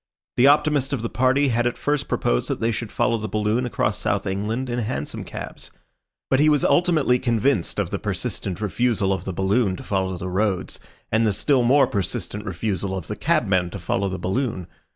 The optimist of the party had at first proposed that they should follow the balloon across South England in hansom cabs. But he was ultimately convinced of the persistent refusal of the balloon to follow the roads, and the still more persistent refusal of the cabmen to follow the balloon.